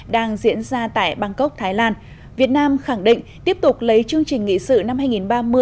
đang diễn ra tại bangkok thái lan việt nam khẳng định tiếp tục lấy chương trình nghị sự năm hai nghìn ba mươi